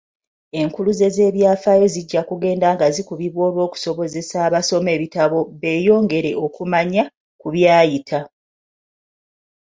Enkuluze z'Ebyafaayo zijja kugenda nga zikubibwa olw'okusobozesa abasoma ebitabo beeyongere okumanya ku byayita.